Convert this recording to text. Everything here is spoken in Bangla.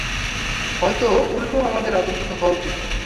হয়তো উল্টো আমাদের আতংকিত হওয়া উচিৎ!